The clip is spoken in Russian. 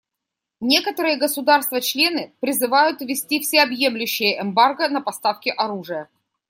Некоторые государства-члены призывают ввести всеобъемлющее эмбарго на поставки оружия.